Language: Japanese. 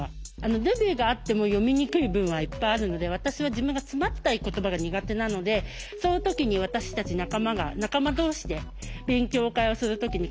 ルビがあっても読みにくい文はいっぱいあるので私は自分がつまったい言葉が苦手なのでそのときに私たち仲間が仲間同士で勉強会をするときにこれを使います。